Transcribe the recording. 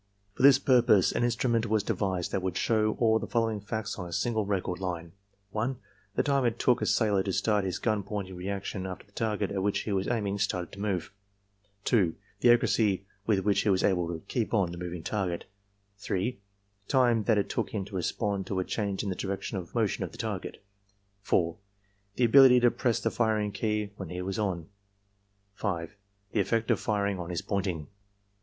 For this purpose an instrument was devised that would show all the following facts on a single record line: 1, the time that it took a sailor to start his gun pointing reaction after the target at which he was aiming started to move; 2, the accuracy with which he was able to 'keep on' the moving target; 3, the time that it took him to respond to a change in the direction of motion of the target; 4, the ability to press the firing key when he was on; 5, the effect of firing on his pointing.